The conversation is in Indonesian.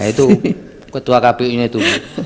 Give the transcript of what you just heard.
nah itu ketua kpu ini itu